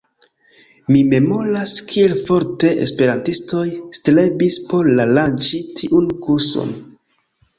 Mi memoras, kiel forte esperantistoj strebis por lanĉi tiun kurson.